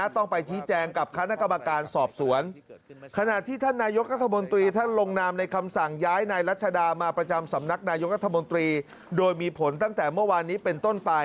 ต้องไปชี้แจงกับคณะกรรมการสอบสวน